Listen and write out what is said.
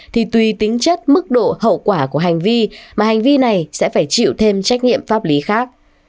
thì tùy tính chất mức độ hậu quả của hành vi mà hành vi này sẽ phải chịu thêm trách nhiệm pháp lý khác